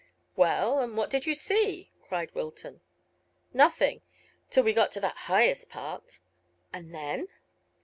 "Well, and what did you see?" cried Wilton. "Nothing, till we got to that highest part." "And then?"